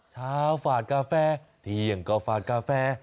ฝาดกาแฟเที่ยงก็ฝาดกาแฟ